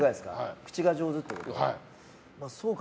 口が上手ってこと？